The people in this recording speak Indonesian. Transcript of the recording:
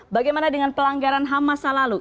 bagaimana dengan pelanggaran ham masa lalu